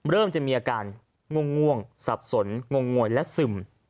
เริ่มจะมีอาการง่วงสับสนงงวยและซึม